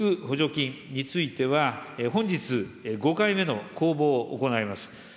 補助金については、本日、５回目の公募を行います。